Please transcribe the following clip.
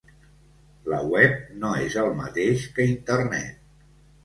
La web no és el mateix que Internet.